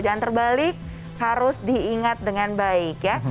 jangan terbalik harus diingat dengan baik ya